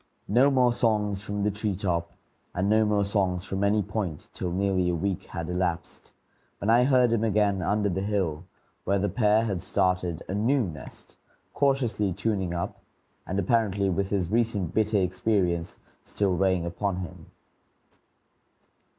No more songs from the tree top, and no more songs from any point, till nearly a week had elapsed, when I heard him again under the hill, where the pair had started a new nest, cautiously tuning up, and apparently with his recent bitter experience still weighing upon him.